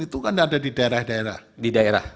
itu kan ada di daerah daerah di daerah